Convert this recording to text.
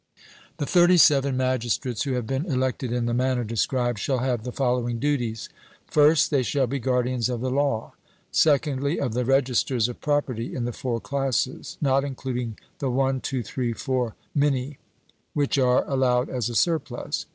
The thirty seven magistrates who have been elected in the manner described, shall have the following duties: first, they shall be guardians of the law; secondly, of the registers of property in the four classes not including the one, two, three, four minae, which are allowed as a surplus.